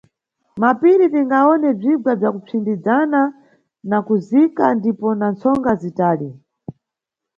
Mmapiri tiningawone bzigwa bzakupsindizana nakuzika ndipo na mtsonga zitali.